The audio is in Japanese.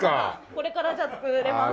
これからじゃあ作ります。